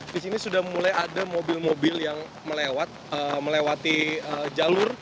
di sini sudah mulai ada mobil mobil yang melewati jalur